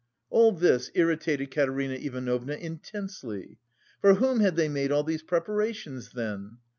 All this irritated Katerina Ivanovna intensely. "For whom had they made all these preparations then?"